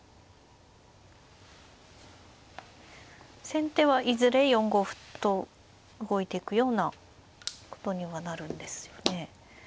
先手はいずれ４五歩と動いていくようなことにはなるんですよね。